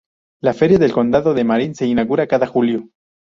La Feria del Condado de Marin se inaugura cada julio.